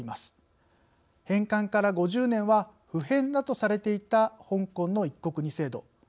返還から５０年は不変だとされていた香港の「一国二制度」。